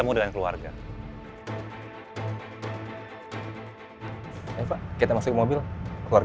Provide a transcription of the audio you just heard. jadi aldebaran masih hidup